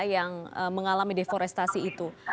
yang mengalami deforestasi itu